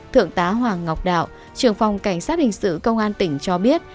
thượng tá hoàng ngọc đạo trường phòng cảnh sát hình sự công an tỉnh cho biết